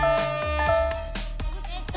えっと